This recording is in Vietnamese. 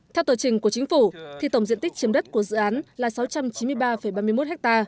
theo tổ chừng của chính phủ tổng diện tích chiếm đất của dự án là sáu trăm chín mươi ba ba mươi một hectare